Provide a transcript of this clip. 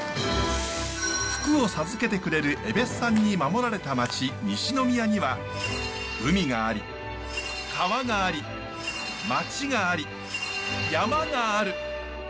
福を授けてくれるえべっさんに守られた町西宮には海があり川があり街があり山がある。